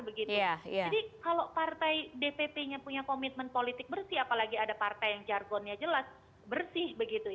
kalau partai dpp nya punya komitmen politik bersih apalagi ada partai yang jargonnya jelas bersih